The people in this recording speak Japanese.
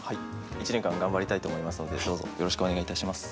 １年間頑張りたいと思いますのでどうぞよろしくお願いいたします。